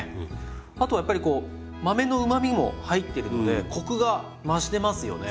あとやっぱりこう豆のうまみも入ってるのでコクが増してますよね。